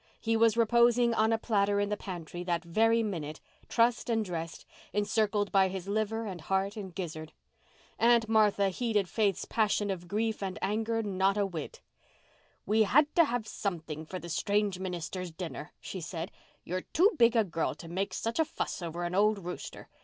He was reposing on a platter in the pantry that very minute, trussed and dressed, encircled by his liver and heart and gizzard. Aunt Martha heeded Faith's passion of grief and anger not a whit. "We had to have something for the strange minister's dinner," she said. "You're too big a girl to make such a fuss over an old rooster.